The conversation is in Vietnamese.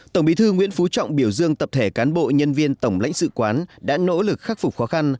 tổng bí thư nguyễn phú trọng biểu dương tập thể cán bộ nhân viên tổng lãnh sự quán đã nỗ lực khắc phục khó khăn